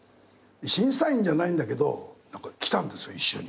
審査員じゃないんだけど何か来たんですよ一緒に。